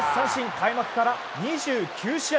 開幕から２９試合